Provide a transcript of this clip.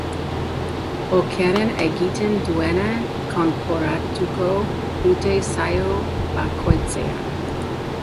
Okerren egiten duena kanporatuko dute saio bakoitzean.